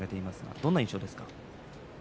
どんな印象ですか？